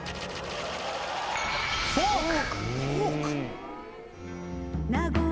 「フォーク」。